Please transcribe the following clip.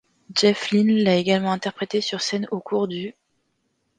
Jeff Lynne l'a également interprétée sur scène au cours du '.